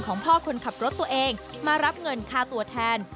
พ่อคนขับรถตัวเองมารับเงินค่าตัวแทน